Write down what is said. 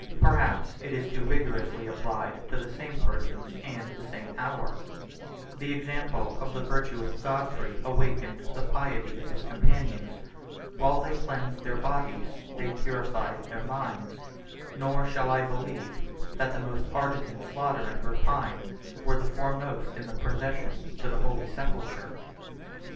Perhaps it is too rigorously applied to the same persons and the same hour; the example of the virtuous Godfrey awakened the piety of his companions; while they cleansed their bodies, they purified their minds; nor shall I believe that the most ardent in slaughter and rapine were the foremost in the procession to the holy sepulchre.